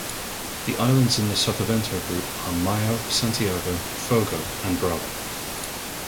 The islands in the Sotavento group are Maio, Santiago, Fogo, and Brava.